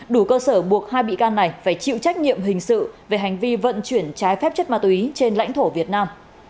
đủ cơ sở buộc hai bị can này phải chịu trách nhiệm hình sự về hành vi vận chuyển trái phép chất ma túy trên lãnh thổ việt nam